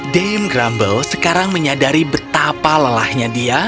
dame grumble sekarang menyadari betapa lelahnya dia